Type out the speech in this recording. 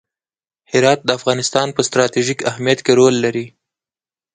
هرات د افغانستان په ستراتیژیک اهمیت کې رول لري.